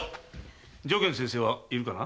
如見先生はいるかな？